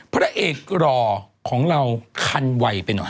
พระเอกรอของเราคันไวไปหน่อย